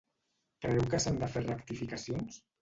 Creu que s'han de fer rectificacions?